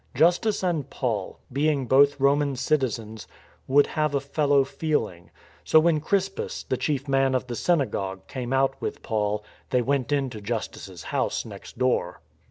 Justus and Paul, being both Roman citizens, would have a fellow feel ing. So when Crispus, the chief man of the syna gogue, came out with Paul, they went into Justus' house next door.